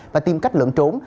và tìm cách lẫn trốn